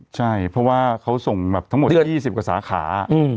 ใช่เพราะว่าเขาส่งแบบทั้งหมด๒๐กว่าสาขา